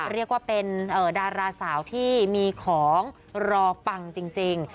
เรียกว่าเป็นดาราสาวที่มีของรอปังจริง